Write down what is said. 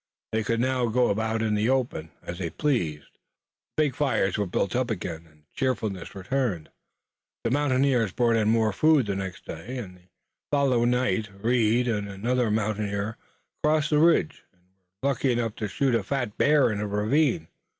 They could now go about in the open, as they pleased, the big fires were built up again, and cheerfulness returned. The mountaineers brought in more food the next day, and the following night Reed and another mountaineer crossed the ridge and were lucky enough to shoot a fat bear in a ravine.